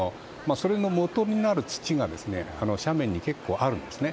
それのもとになる土が斜面に結構あるんですね。